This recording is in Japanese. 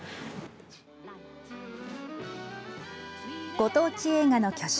ご当地映画の巨匠